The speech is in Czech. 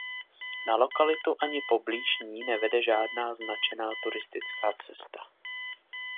Na lokalitu ani poblíž ní nevede žádná značená turistická cesta.